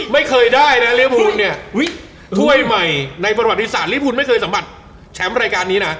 ไม่เคยได้นะลิภูลเนี่ยถ้วยใหม่ในประวัติศาสตร์ลิภูลไม่เคยสัมผัสแชมป์รายการนี้นะ